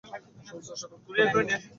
সমস্ত সকাল কীর্তন হইয়া গেছে।